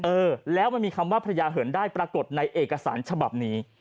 เออแล้วมันมีคำว่าพระยาเหินได้ปรากฏในเอกสารฉบับนี้